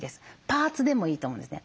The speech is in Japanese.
パーツでもいいと思うんですね。